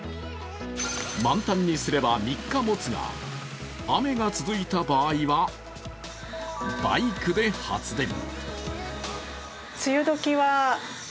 満タンにすれが３日もつが雨が続いた場合は、バイクで発電。